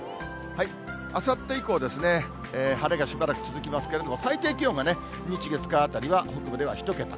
あさって以降ですね、晴れがしばらく続きますけれども、最低気温が日、月、火あたりは北部では１桁。